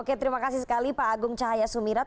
oke terima kasih sekali pak agung cahaya sumirat